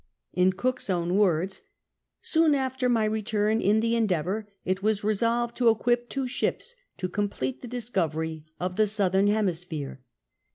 In Cook's own words :" Soon after my return in the Emdeawnr it w^as resolved to equip two ships to complete the discovery of the Southern Hemisphere."